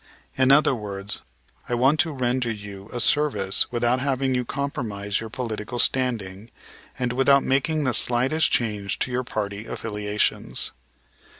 In other words, I want to render you a service without having you compromise your political standing, and without making the slightest change in your party affiliations.